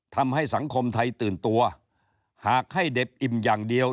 ทำให้สังคมไทยตื่นตัวหากให้เด็ดอิ่มอย่างเดียว